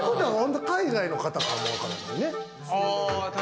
海外の方かもわからんね。